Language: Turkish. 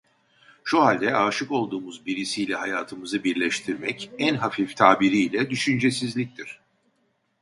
Şu halde aşık olduğumuz birisiyle hayatımızı birleştirmek, en hafif tabiriyle, düşüncesizliktir.